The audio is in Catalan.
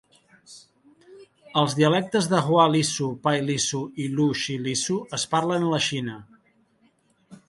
Els dialectes de Hua Lisu, Pai Lisu i Lu Shi Lisu es parlen a la Xina.